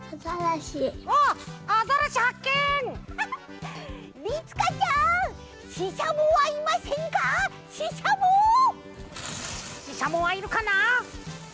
ししゃもはいるかな？